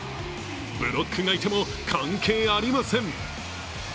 ブロックがいても関係ありません。